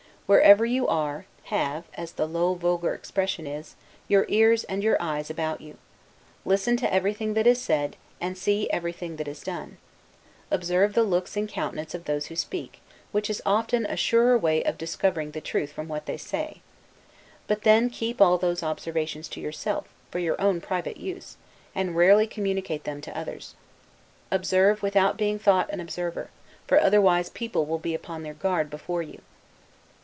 Wherever you are, have (as the low vulgar expression is) your ears and your eyes about you. Listen to everything that is said, and see everything that is done. Observe the looks and countenances of those who speak, which is often a surer way of discovering the truth than from what they say. But then keep all those observations to yourself, for your own private use, and rarely communicate them to others. Observe, without being thought an observer, for otherwise people will be upon their guard before you.